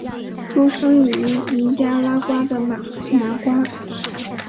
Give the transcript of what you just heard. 出生于尼加拉瓜的马拿瓜。